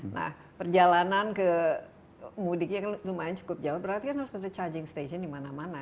nah perjalanan ke mudiknya lumayan cukup jauh berarti kan harus ada charging station di mana mana